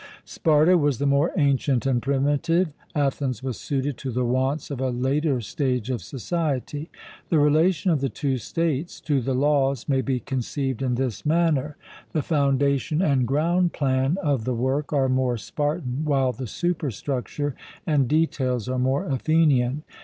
Sparta was the more ancient and primitive: Athens was suited to the wants of a later stage of society. The relation of the two states to the Laws may be conceived in this manner: The foundation and ground plan of the work are more Spartan, while the superstructure and details are more Athenian.